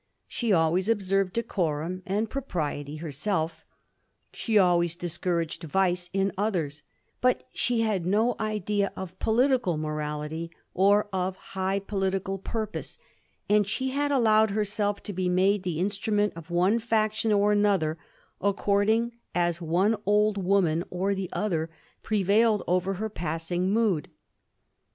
She always observed decorum and propriety herself ; she always discouraged vice in others ; but she had no idea of politidal morahty or of high political purpose, and she had allowed herself to be made the instrument of one faction or another, according as one old woman or the other prevailed over her passing mood.